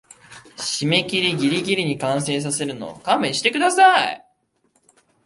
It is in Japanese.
締切ギリギリに完成させるの勘弁してください